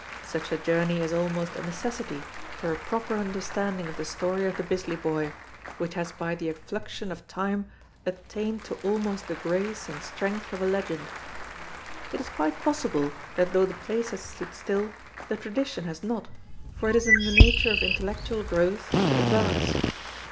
Such a journey is almost a necessity for a proper understanding of the story of the Bisley Boy, which has by the effluxion of time attained to almost the grace and strength of a legend. It is quite possible that though the place has stood still, the tradition has not, for it is in the nature of intellectual growth to advance.